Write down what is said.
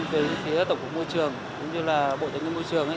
về phía tổng cục môi trường cũng như là bộ tài nguyên môi trường